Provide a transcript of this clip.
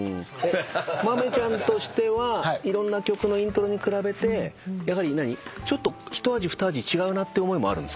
まめちゃんとしてはいろんな曲のイントロに比べてやはりひと味ふた味違うなって思いもあるんですか？